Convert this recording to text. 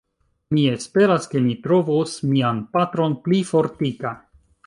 Mi esperas, ke mi trovos mian patron pli fortika.